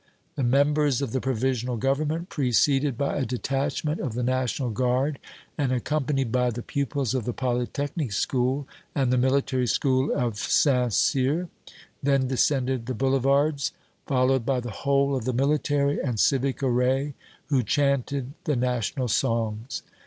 The members of the Provisional Government, preceded by a detachment of the National Guard and accompanied by the pupils of the Polytechnic School and the Military School of St. Cyr, then descended the boulevards, followed by the whole of the military and civic array, who chanted the national songs.